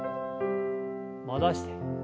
戻して。